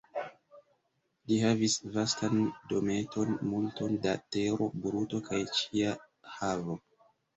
Li havis vastan dometon, multon da tero, bruto kaj ĉia havo.